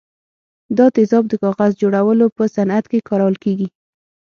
دا تیزاب د کاغذ جوړولو په صنعت کې کارول کیږي.